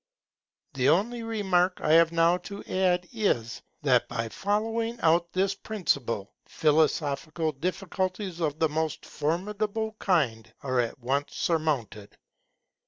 The only remark I have now to add is, that by following out this principle, philosophical difficulties of the most formidable kind are at once surmounted.